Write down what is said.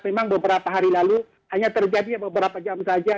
memang beberapa hari lalu hanya terjadi beberapa jam saja